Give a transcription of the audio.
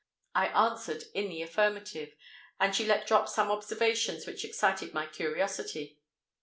I answered in the affirmative; and she let drop some observations which excited my curiosity.